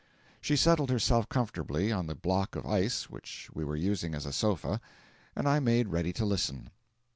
She settled herself comfortably on the block of ice which we were using as a sofa, and I made ready to listen.